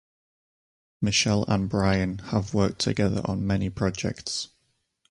Michelle and Brian have worked together on many projects.